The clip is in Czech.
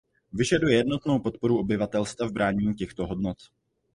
Vyžaduje jednotnou podporu obyvatelstva v bránění těchto hodnot.